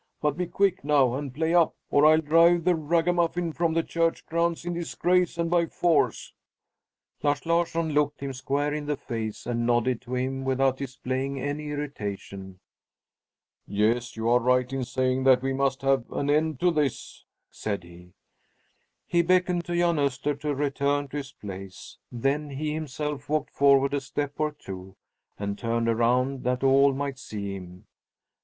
But be quick, now, and play up, or I'll drive that ragamuffin from the church grounds in disgrace and by force!" Lars Larsson looked him square in the face and nodded to him without displaying any irritation. "Yes, you are right in saying that we must have an end of this," said he. He beckoned to Jan Öster to return to his place. Then he himself walked forward a step or two, and turned around that all might see him.